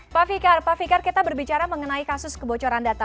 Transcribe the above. pak fikar pak fikar kita berbicara mengenai kasus kebocoran data